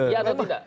iya atau tidak